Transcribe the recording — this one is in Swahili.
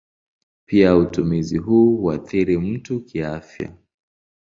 Pia utumizi huu huathiri mtu kiafya.